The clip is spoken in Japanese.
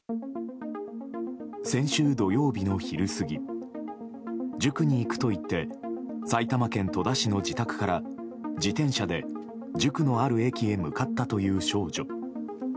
先週土曜日の昼過ぎ塾に行くと言って埼玉県戸田市の自宅から自転車で、塾のある駅へ向かったという少女。